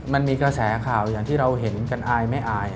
มันมีกระแสข่าวอย่างที่เราเห็นกันอายไม่อาย